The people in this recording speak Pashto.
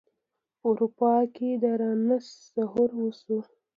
په اروپا کې د رنسانس ظهور وشو.